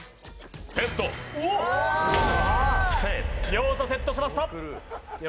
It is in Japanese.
両者セットしました。